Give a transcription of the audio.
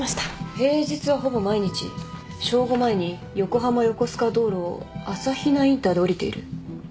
平日はほぼ毎日正午前に横浜横須賀道路を朝比奈インターで降りている。